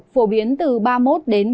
phổ biến từ ba mươi một ba mươi bốn độ